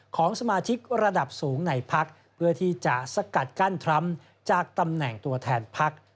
ของสมาชิกระดับสูงในพักเพื่อที่จะสกัดกั้นทรัมป์จากตำแหน่งตัวแทนพัก